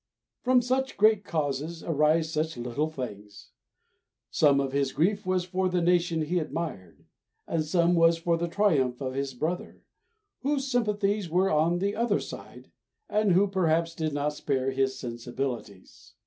From such great causes arise such little things! Some of his grief was for the nation he admired, and some was for the triumph of his brother, whose sympathies were on the other side, and who perhaps did not spare his sensibilities.